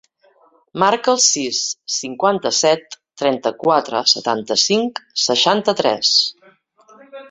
Marca el sis, cinquanta-set, trenta-quatre, setanta-cinc, seixanta-tres.